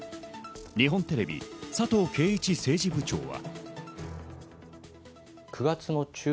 日本テレビ、佐藤圭一政治部長は。